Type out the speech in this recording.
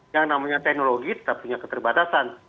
yang namanya teknologi tetap punya keterbatasan